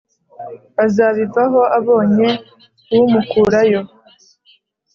azabivaho abonye uw’umukurayo"